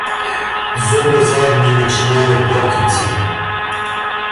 Зубы задние начинали портиться.